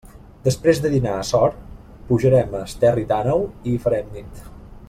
Després de dinar a Sort, pujarem a Esterri d'Àneu, i hi farem nit.